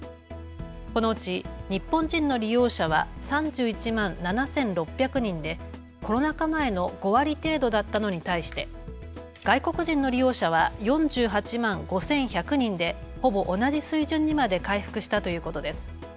このうち日本人の利用者は３１万７６００人でコロナ禍前の５割程度だったのに対して外国人の利用者は４８万５１００人でほぼ同じ水準にまで回復したということです。